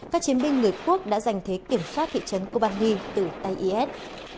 các chiến binh người quốc đã giành thế kiểm soát thị trấn kobani từ tay is